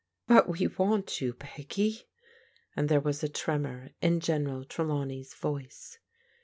" But we want you, Peggy," and there was a tremor in General Trelawney's voice.